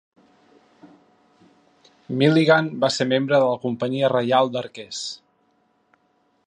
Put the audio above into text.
Milligan va ser membre de la Companyia Reial d'Arquers.